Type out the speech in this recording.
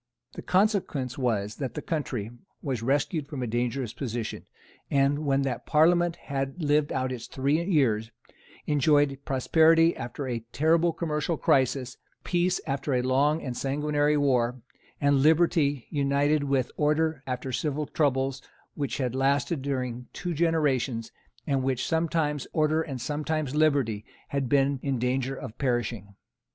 The consequence was that the country was rescued from its dangerous position, and, when that Parliament had lived out its three years, enjoyed prosperity after a terrible commercial crisis, peace after a long and sanguinary war, and liberty united with order after civil troubles which had lasted during two generations, and in which sometimes order and sometimes liberty had been in danger of perishing.